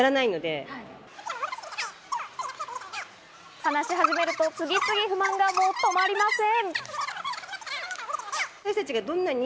話し始めると次々不満がとまりません！